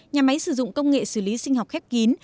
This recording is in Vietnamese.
nhà máy sử dụng công nghệ xử lý sinh học khép kín